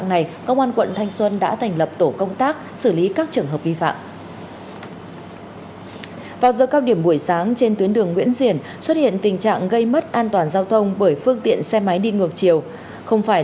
này có thêm đầm sen tạo điểm nhấn cho nét văn hóa huế